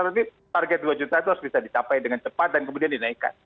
berarti target dua juta itu harus bisa dicapai dengan cepat dan kemudian dinaikkan